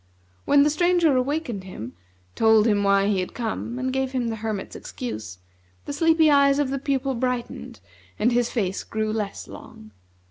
When the Stranger awakened him, told him why he had come, and gave him the hermit's excuse, the sleepy eyes of the Pupil brightened, and his face grew less long.